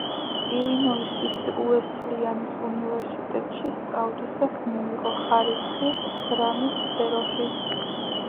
ილინოისის უესლიანის უნივერსიტეტში სწავლისას მიიღო ხარისხი დრამის სფეროში.